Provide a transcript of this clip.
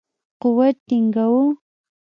قوت ټینګاوه.